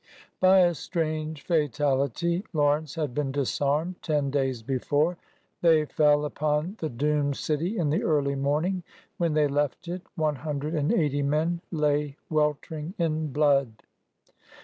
By a strange fatality Lawrence had been disarmed ten days before. They fell upon the doomed city in the early morning. When they left it one hundred and eighty men lay wel tering in blood.